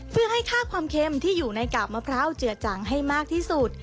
เพื่อให้ค่าความเค็มที่อยู่ในกาบมะพร้าวเจือจังให้มากที่สุด